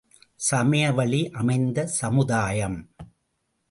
சமயவழி அமைந்த சமுதாயம்!